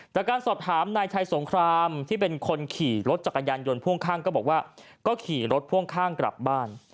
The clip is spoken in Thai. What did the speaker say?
จากการสอบถามนายชัยสงครามที่เป็นคนขี่รถจักรยานยนต์พ่วงข้างก็บอกว่าก็ขี่รถพ่วงข้างกลับบ้าน